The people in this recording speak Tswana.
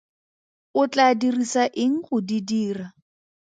O tlaa dirisa eng go di dira?